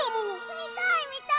みたいみたい！